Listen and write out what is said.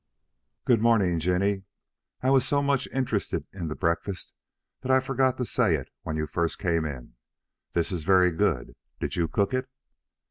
"Good morning, Jinny. I was so much interested in the breakfast that I forgot to say it when you first came in. This is very good. Did you cook it?"